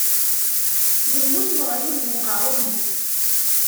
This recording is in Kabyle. Yemmut weɣyul deg uqeṛṛuy-is.